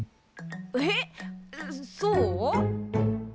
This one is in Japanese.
えっそう？